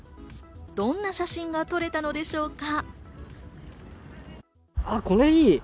どんな写真が撮れたのでしょうか？